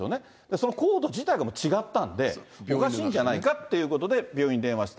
そのコード自体が違ったんで、おかしいんじゃないかということで、病院に電話した。